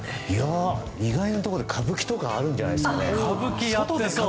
意外なところで歌舞伎とかあるんじゃないですかね。